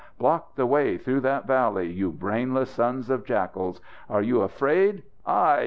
Block the way through that valley, you brainless sons of jackals! Are you afraid? _Ai!